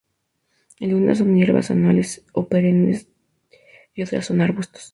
Algunas son hierbas anuales o perennes y otras son arbustos.